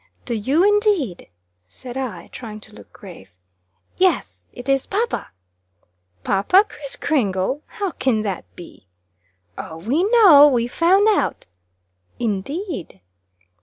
"Do you, indeed?" said I, trying to look grave. "Yes; it is papa." "Papa, Kriss Kringle! How can that be?" "Oh, we know! We found out!" "Indeed!"